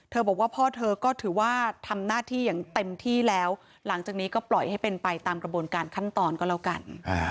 บอกว่าพ่อเธอก็ถือว่าทำหน้าที่อย่างเต็มที่แล้วหลังจากนี้ก็ปล่อยให้เป็นไปตามกระบวนการขั้นตอนก็แล้วกัน